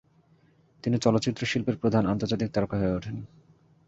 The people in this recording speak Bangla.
তিনি চলচ্চিত্র শিল্পের প্রধান আন্তর্জাতিক তারকা হয়ে ওঠেন।